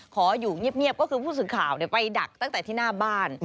ขออยู่เงียบก็คือผู้สื่อข่าวไปดักตั้งแต่ที่หน้าบ้าน